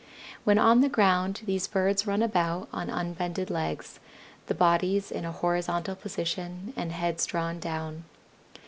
When on the ground these birds run about on unbended legs, the bodies in a horizontal position and heads drawn down.